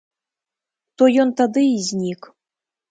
То ён тады і знік.